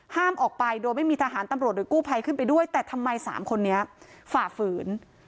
ห้ามออกไปโดยไม่มีทหารตำรวจหรือกู้ภัยขึ้นไปด้วยแต่ทำไมสามคนนี้ฝ่าฝืน